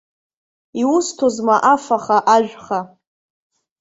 Иусҭозма афаха, ажәха.